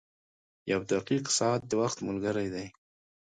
• یو دقیق ساعت د وخت ملګری دی.